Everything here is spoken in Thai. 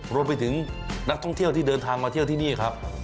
นักท่องเที่ยวที่เดินทางมาเที่ยวที่นี่ครับ